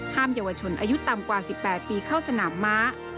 เยาวชนอายุต่ำกว่า๑๘ปีเข้าสนามม้า